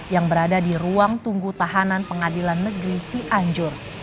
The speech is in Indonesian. yang berada di ruang tunggu tahanan pengadilan negeri cianjur